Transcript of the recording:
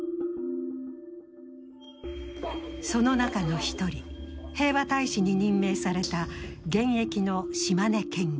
その中の１人、平和大使に任命された現役の島根県議。